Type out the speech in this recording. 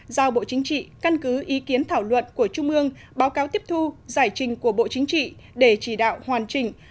giao bộ chính trị căn cứ ý kiến thảo luận của trung ương báo cáo tiếp thu giải trình của bộ chính trị để chỉ đạo hoàn chỉnh